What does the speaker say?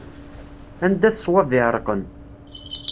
Anda-t ṣṣwab iɛerqan.